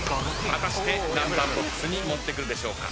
果たして何番ボックスに持ってくるでしょうか？